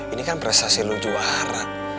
ini kan prestasi lu juara